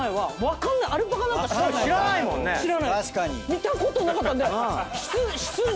見たことなかったんで。